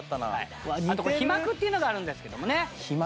あと皮膜っていうのがあるんですけどもね